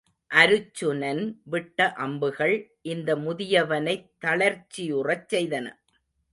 அருச்சுனன் விட்ட அம்புகள் இந்த முதியவனைத் தளர்ச்சியுறச் செய்தன.